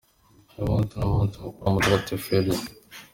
Uyu munsi ni umunsi mukuru wa Mutagatifu Helier.